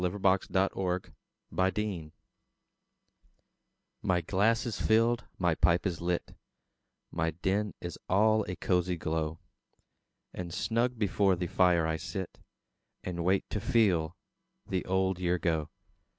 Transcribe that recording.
The Passing of the Year My glass is filled, my pipe is lit, My den is all a cosy glow; And snug before the fire I sit, And wait to FEEL the old year go.